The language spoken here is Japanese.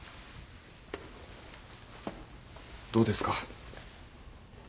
どうですか？